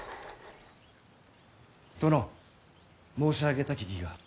殿、申し上げたき義が。